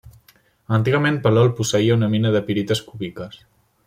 Antigament Palol posseïa una mina de pirites cúbiques.